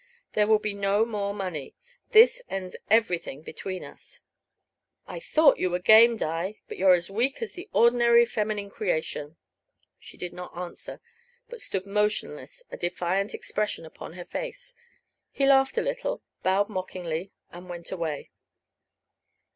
"There will be no more money. This ends everything between us." "I thought you were game, Di. But you're as weak as the ordinary feminine creation." She did not answer, but stood motionless, a defiant expression upon her face. He laughed a little, bowed mockingly, and went away.